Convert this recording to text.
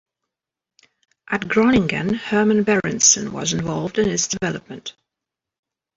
At Groningen, Herman Berendsen was involved in its development.